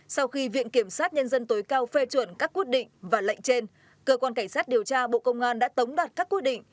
sau khi viện kiểm sát nhân dân tối cao phê chuẩn các quyết định và lệnh trên cơ quan cảnh sát điều tra bộ công an đã tống đặt các quyết định